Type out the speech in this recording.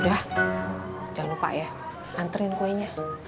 udah jangan lupa ya anterin kuenya